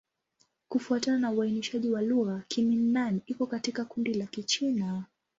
Kufuatana na uainishaji wa lugha, Kimin-Nan iko katika kundi la Kichina.